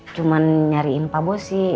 cuma nyariin pak bos sih